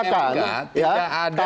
dan mk sudah menyatakan